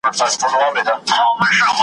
قصیده نه یم مثنوي نه یم غزل نه یمه .